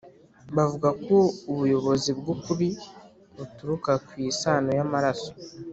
bavuga ko ubuyobozi bw’ukuri buturuka ku isano y’amaraso